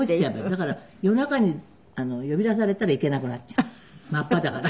だから夜中に呼び出されたら行けなくなっちゃうの真っ裸だから。